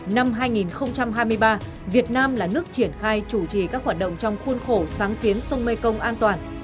năm hai nghìn hai mươi ba việt nam là nước triển khai chủ trì các hoạt động trong khuôn khổ sáng kiến sông mekong an toàn